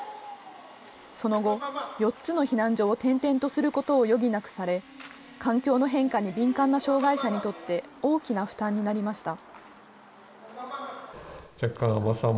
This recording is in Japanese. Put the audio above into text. その後、４つの避難所を転々とすることを余儀なくされ、環境の変化に敏感な障害者にとって大きな負担になりました。